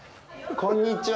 こんにちは。